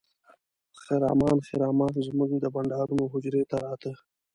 خرامان خرامان زموږ د بانډارونو حجرې ته راته.